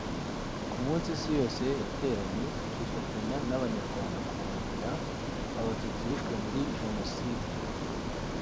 Ku munsi isi yose yateranye ikifatanya n’abanyarwanda kunamira abatutsi bishwe muri Jenoside